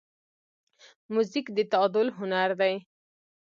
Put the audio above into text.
موزیک د تعادل هنر دی.